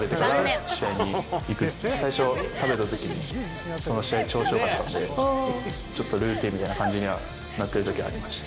最初食べたときに、その試合調子よかったんで、ちょっとルーティンみたいな感じになってるときはありました。